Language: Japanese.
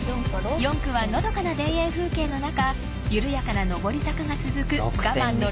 ４区は、のどかな田園風景の中緩やかな上り坂が続く我慢の６．２ｋｍ。